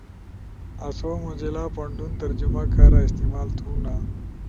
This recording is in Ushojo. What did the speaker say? آسو موزیلا پونٹون ترجمہ کارا استعمال تھونا۔